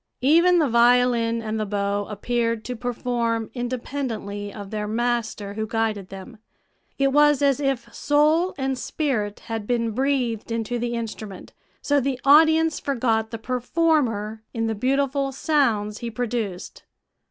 Even the violin and the bow appeared to perform independently of their master who guided them; it was as if soul and spirit had been breathed into the instrument, so the audience forgot the performer in the beautiful sounds he produced.